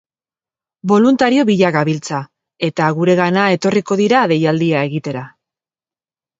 Boluntario bila dabiltza, eta guregana etorriko dira deialdia egitera.